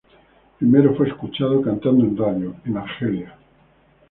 Primero fue escuchada cantando en radio, en Argelia.